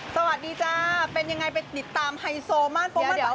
สวัสดีจ้ะเป็นอย่างไรไปติดตามไฮโซมานฟ้า